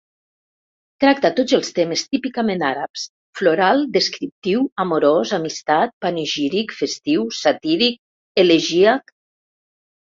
Tracta tots els temes típicament àrabs: floral, descriptiu, amorós, amistat, panegíric, festiu, satíric, elegíac.